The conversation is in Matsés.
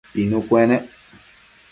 Pinu cuenec